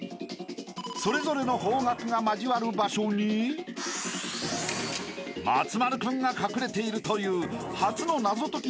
［それぞれの方角が交わる場所に松丸君が隠れているという初の謎解き要素が入った隠れ場所］